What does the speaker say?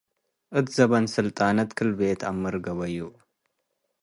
እት ዘበን ሰልጠነት - ክል-ቤት አምር ገበዩ